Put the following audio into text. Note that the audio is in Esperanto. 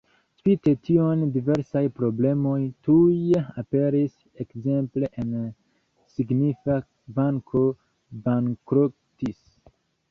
Spite tion diversaj problemoj tuj aperis, ekzemple en signifa banko bankrotis.